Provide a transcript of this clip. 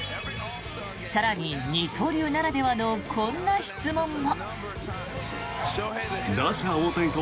更に二刀流ならではのこんな質問も。